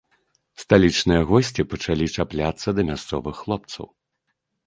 Сталічныя госці пачалі чапляцца да мясцовых хлопцаў.